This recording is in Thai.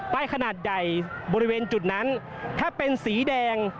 ขนาดใหญ่บริเวณจุดนั้นถ้าเป็นสีแดง